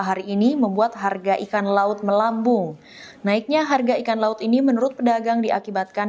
hari ini membuat harga ikan laut melambung naiknya harga ikan laut ini menurut pedagang diakibatkan